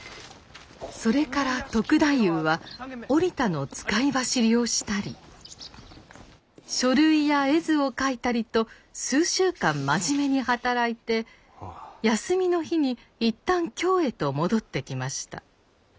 それから篤太夫は折田の使い走りをしたり書類や絵図を描いたりと数週間真面目に働いて休みの日に一旦京へと戻ってきました。